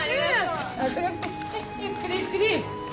はいゆっくりゆっくり。